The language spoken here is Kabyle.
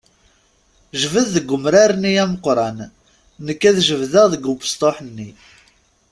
Jbed deg umrar-nni ameqqran, nekk ad jebdeɣ deg ubesṭuḥ-nni.